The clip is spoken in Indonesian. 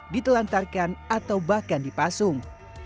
ditelantarkan atau bahkan dipasung